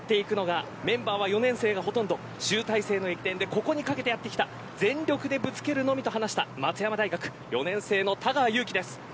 追っていくのが、メンバーは４年生がほとんど集大成の駅伝でここに懸けてやってきた全力でぶつけるのみで話した松山大学４年生の田川です。